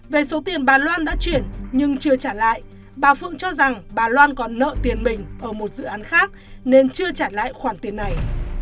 về số tiền bà loan đã chuyển nhưng chưa trả lại bà phượng cho rằng bà loan còn nợ tiền mình ở một dự án khác nên chưa trả lại khoản tiền này